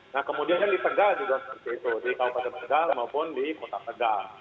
nah kemudian di tegal juga seperti itu di kabupaten tegal maupun di kota tegal